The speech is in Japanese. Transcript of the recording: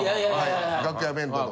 楽屋弁当の。